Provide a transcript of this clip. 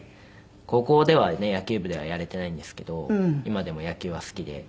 高校ではね野球部ではやれていないんですけど今でも野球は好きで。